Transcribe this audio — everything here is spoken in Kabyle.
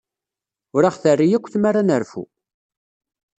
Ur aɣ-terri akk tmara ad nerfu.